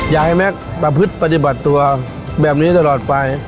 อยากให้แม็กซ์ประพฤติปฏิบัติตัวแบบนี้ตลอดไป